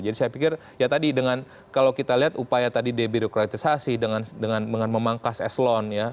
jadi saya pikir ya tadi dengan kalau kita lihat upaya tadi debirokritisasi dengan memangkas eselon ya